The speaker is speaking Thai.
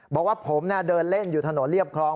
บอกว่าผมเดินเล่นอยู่ถนนเรียบคลอง